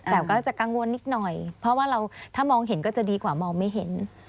แต่ก็จะกังวลนิดหน่อยเพราะว่าเราถ้ามองเห็นก็จะดีกว่ามองไม่เห็น